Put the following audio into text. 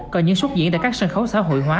có những xuất diễn tại các sân khấu xã hội hóa